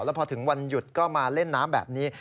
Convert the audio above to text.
แล้วพอถึงวันหยุดก็มาเล่นน้ำแบบนี้